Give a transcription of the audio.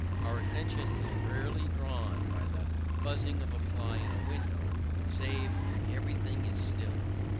Our attention is rarely drawn by the buzzing of a fly in the window, save when everything is still.